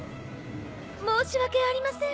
申し訳ありません